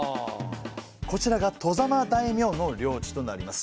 こちらが外様大名の領地となります。